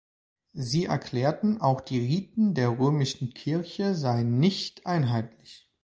Sie erklärten, auch die Riten der römischen Kirche seien nicht einheitlich.